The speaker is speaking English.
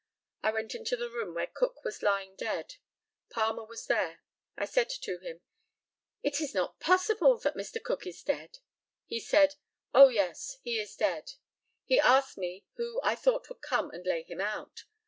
I went into the room where Cook was lying dead. Palmer was there. I said to him, "It is not possible that Mr. Cook is dead?" He said, "Oh yes, he is dead." He asked me who I thought would come and lay him out.